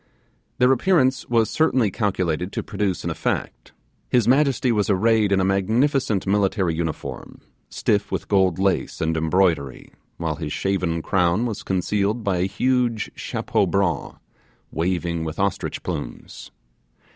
Their appearance was certainly calculated to produce an effect. His majesty was arrayed in a magnificent military uniform, stiff with gold lace and embroidery, while his shaven crown was concealed by a huge chapeau bras, waving with ostrich plumes.